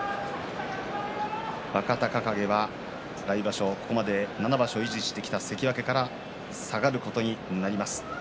若隆景は来場所ここまで７場所維持してきた関脇から下がることになります。